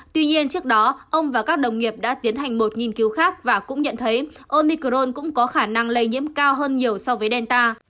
tuy nhiên trước đó ông và các đồng nghiệp đã tiến hành một nghiên cứu khác và cũng nhận thấy omicron cũng có khả năng lây nhiễm cao hơn nhiều so với delta